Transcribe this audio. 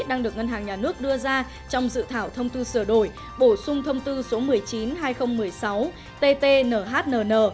đang được ngân hàng nhà nước đưa ra trong dự thảo thông tư sửa đổi bổ sung thông tư số một mươi chín hai nghìn một mươi sáu tt nhnn